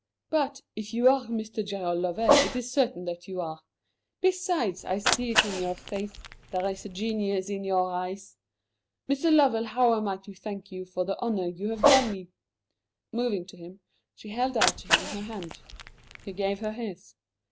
"But, if you are Mr. Gerald Lovell, it is certain that you are. Besides, I see it in your face. There is genius in your eyes. Mr. Lovell, how am I to thank you for the honour you have done me?" Moving to him, she held out to him her hand. He gave her his.